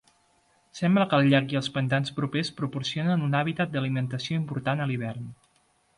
Sembla que el llac i els pantans propers proporcionen un hàbitat d'alimentació important a l'hivern.